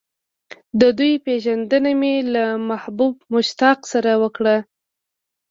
د دوی پېژندنه مې له محبوب مشتاق سره وکړه.